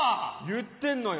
言ってんのよ。